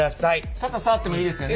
社長触ってもいいですよね？